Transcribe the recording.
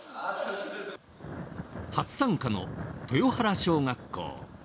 初参加の豊原小学校。